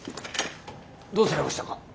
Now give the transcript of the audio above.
どうされましたか？